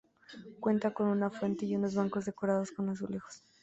Cuenta con una fuente y unos bancos decorados con azulejos.